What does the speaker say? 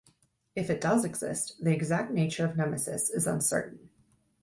If it does exist, the exact nature of Nemesis is uncertain.